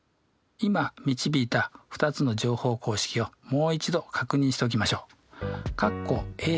今導いた２つの乗法公式をもう一度確認しておきましょう。